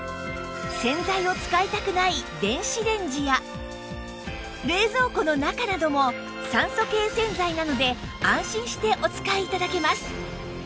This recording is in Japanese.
洗剤を使いたくない電子レンジや冷蔵庫の中なども酸素系洗剤なので安心してお使い頂けます